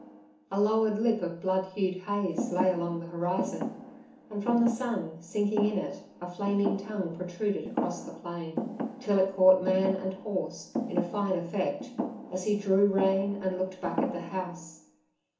A lower lip of blood hued haze lay along the horizon, and from the sun sinking in it a flaming tongue protruded across the plain, till it caught man and horse, in a fine effect, as he drew rein and looked back at the house.